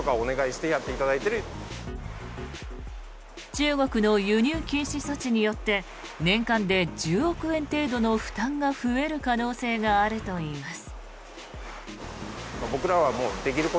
中国の輸入禁止措置によって年間で１０億円程度の負担が増える可能性があるといいます。